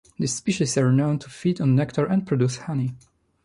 These species are known to feed on nectar and produce honey.